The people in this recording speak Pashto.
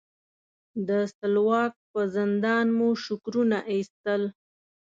د سلواک په زندان مو شکرونه ایستل.